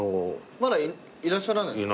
まだいらっしゃらないんですか？